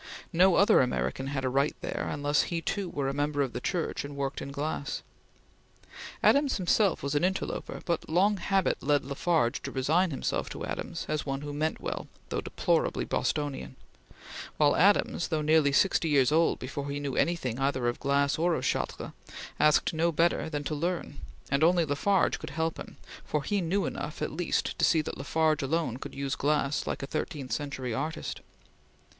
No other American had a right there, unless he too were a member of the Church and worked in glass. Adams himself was an interloper, but long habit led La Farge to resign himself to Adams as one who meant well, though deplorably Bostonian; while Adams, though near sixty years old before he knew anything either of glass or of Chartres, asked no better than to learn, and only La Farge could help him, for he knew enough at least to see that La Farge alone could use glass like a thirteenth century artist.